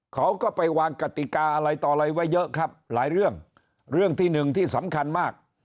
เขาก็ไปวางกติกาอะไรต่ออะไรไว้เยอะครับหลายเรื่องเรื่องที่หนึ่งที่สำคัญมาก